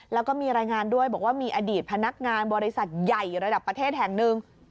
แล้วก็มีรายงานด้วยบอกว่ามีอดีตพนักงานบริษัทใหญ่ระดับประเทศแห่งหนึ่ง